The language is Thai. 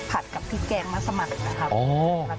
กับพริกแกงมัสมันนะครับ